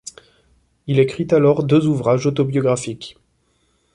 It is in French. Il écrit alors deux ouvrages autobiographiques.